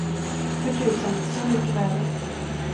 För tusan, så mycket värre.